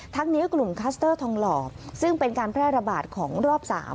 นี้กลุ่มคัสเตอร์ทองหล่อซึ่งเป็นการแพร่ระบาดของรอบ๓